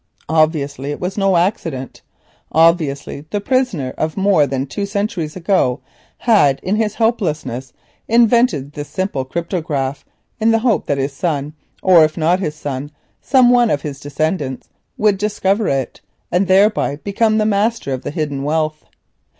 Obviously, it was not accident; obviously, the prisoner of more than two centuries ago had, in his helplessness, invented this simple cryptograph in the hope that his son or, if not his son, some one of his descendants would discover it, and thereby become master of the hidden wealth.